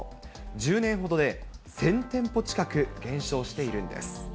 １０年ほどで１０００店舗近く減少しているんです。